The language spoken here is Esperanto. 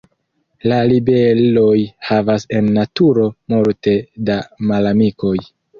La libeloj havas en naturo multe da malamikoj.